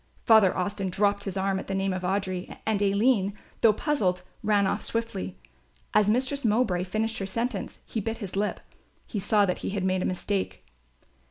Father Austin dropped his arm at the name of Audry; and Aline, though puzzled, ran off swiftly. As Mistress Mowbray finished her sentence, he bit his lip; he saw that he had made a mistake.